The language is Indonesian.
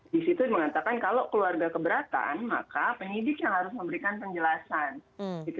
di situ mengatakan kalau keluarga keberatan maka penyidik yang harus memberikan penjelasan